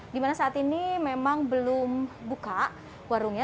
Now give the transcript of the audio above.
di mana saat ini memang belum buka warungnya